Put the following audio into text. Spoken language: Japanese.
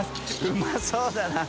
うまそうだな。